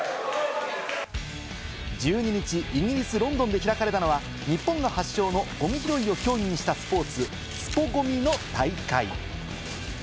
１２日、イギリス・ロンドンで開かれたのは日本が発祥のゴミ拾いを競技にしたスポーツ、スポＧＯＭＩの大会。